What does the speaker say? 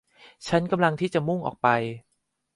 ฉันกำลังที่จะมุ่งออกไป